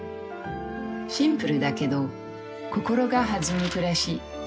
シンプルだけど心が弾む暮らし。